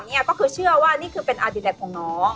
เบอร์๓นี้ก็เชื่อว่านี่เป็นอดีตแทนของน้อง